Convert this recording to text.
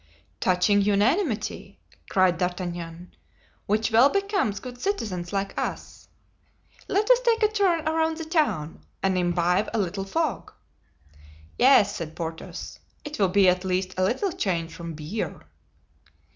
"Touching unanimity!" cried D'Artagnan, "which well becomes good citizens like us. Let us take a turn around the town and imbibe a little fog." "Yes," said Porthos, "'twill be at least a little change from beer."